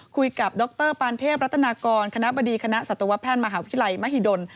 ดรปานเทพรัตนากรคณะบดีคณะสัตวแพทย์มหาวิทยาลัยมหิดล